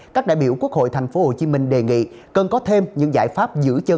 các đại biểu quốc hội thành phố hồ chí minh đề nghị cần có thêm những giải pháp giữ chân